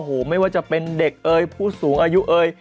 โอ้โหไม่ว่าจะเป็นเด็กเอ่ยผู้สูงอายุเอ่ย